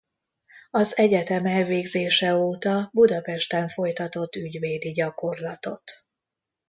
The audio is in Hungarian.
Az egyetem elvégzése óta Budapesten folytatott ügyvédi gyakorlatot.